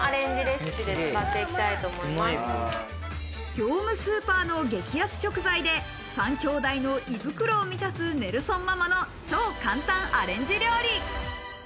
業務スーパーの激安食材で３兄弟の胃袋を満たすネルソンママの超簡単アレンジ料理。